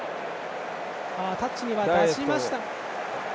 タッチに出しました。